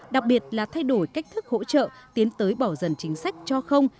đặc biệt là thay đổi cách thức hỗ trợ tiến tới bỏ dần chính sách cho không